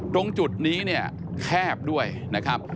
ตรงจุดนี้แคบด้วยนะครับ